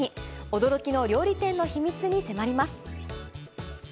驚きの料理店の秘密に迫ります。